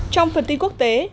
trong phần tin quốc tế